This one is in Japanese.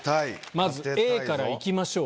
まずＡからいきましょうか。